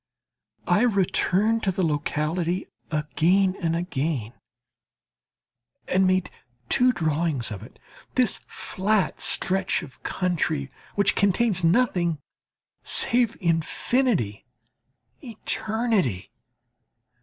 I returned to the locality again and again, and made two drawings of it this flat stretch of country which contains nothing save infinity, eternity.